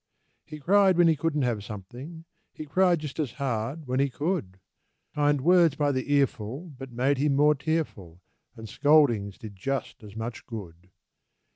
He cried when he couldn't have something; He cried just as hard when he could; Kind words by the earful but made him more tearful, And scoldings did just as much good.